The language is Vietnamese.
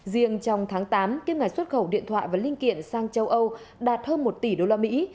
riêng trong tháng tám kim ngạch xuất khẩu điện thoại và linh kiện sang châu âu đạt hơn một tỷ đô la mỹ